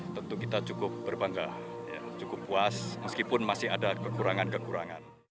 tentu kita cukup berbangga cukup puas meskipun masih ada kekurangan kekurangan